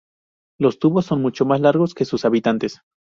Los tubos son mucho más largos que sus habitantes.